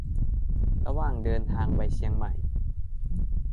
ระหว่างเดินทางไปเชียงใหม่